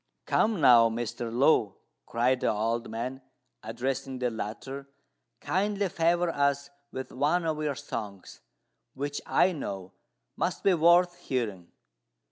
"Come now, Mr. Lu," cried the old man, addressing the latter, "kindly favour us with one of your songs, which, I know, must be worth hearing."